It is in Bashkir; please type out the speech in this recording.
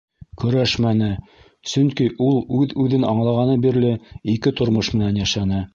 Көрәшмәне, сөнки ул үҙ-үҙен аңлағаны бирле ике тормош менән йәшәне.